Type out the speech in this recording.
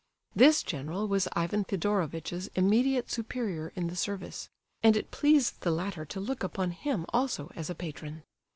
This general was Ivan Fedorovitch's immediate superior in the service; and it pleased the latter to look upon him also as a patron.